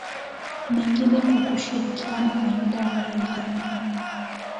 mengine kwa kushirikiana na idara ya Elimu